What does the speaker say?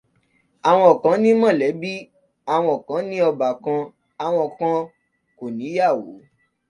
Àwọn kan ní mọ̀lẹ́bí, àwọn kan ní ọbàkan, àwọn kan kò níyàwó.